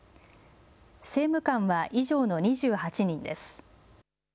政務官は以上の２８人です。